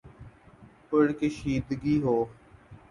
پر کشیدگی ہو،